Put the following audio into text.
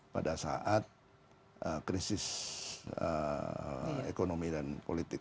pada saat krisis ekonomi dan politik